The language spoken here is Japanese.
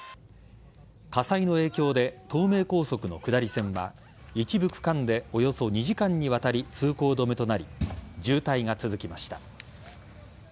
火災の影響で東名高速の下り線は一部区間でおよそ２時間にわたり通行止めとなり渋滞が続きました。